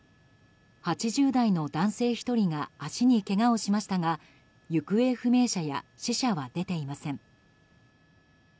８０代の男性１人が足にけがをしましたが行方不明者や死者は出ていません。